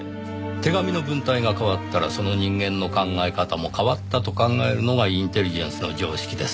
手紙の文体が変わったらその人間の考え方も変わったと考えるのがインテリジェンスの常識です。